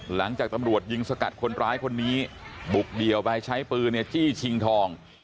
หลังจากตำรวจยิงสกัดคนร้ายคนนี้บุกเดี่ยวไปใช้ปืนจี้ชิงทอง